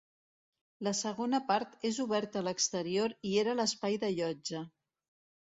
La segona part és oberta a l'exterior i era l'espai de llotja.